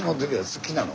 好きなの？